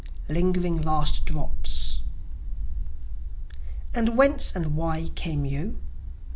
Lingering Last Drops And whence and why come you?